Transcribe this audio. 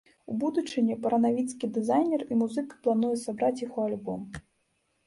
У будучыні баранавіцкі дызайнер і музыка плануе сабраць іх у альбом.